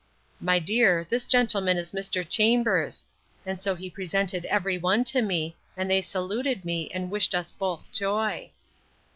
—My dear, this gentleman is Mr. Chambers; and so he presented every one to me; and they saluted me, and wished us both joy.